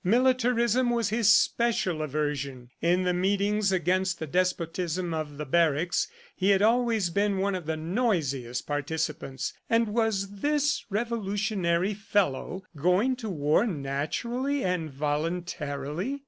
Militarism was his special aversion. In the meetings against the despotism of the barracks he had always been one of the noisiest participants. And was this revolutionary fellow going to war naturally and voluntarily?